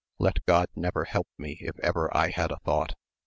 Let God never help me if ever I had such thought